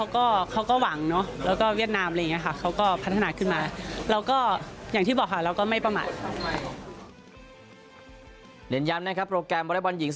ล้มเราให้ได้ควดเราให้ได้เราก็ต้องรักษามาตรฐานของเราไว้